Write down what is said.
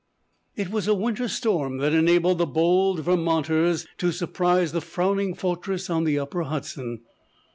It was a winter storm that enabled the bold Vermonters to surprise the frowning fortress on the upper Hudson.